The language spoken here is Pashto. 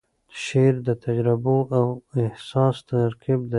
شعر د تجربو او احساس ترکیب دی.